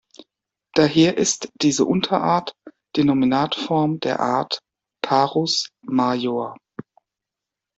Daher ist diese Unterart die Nominatform der Art "Parus major".